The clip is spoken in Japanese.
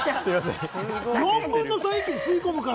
４分の３、一気に吸い込むから。